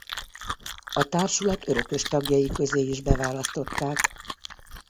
A társulat örökös tagjai közé is beválasztották.